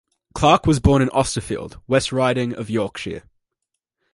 Clarke was born in Austerfield, West Riding of Yorkshire.